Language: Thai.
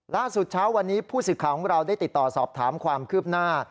ล่าสุดเช้าวันนี้ผู้สื่อข่าวของเราได้ติดต่อสอบถามความคืบหน้า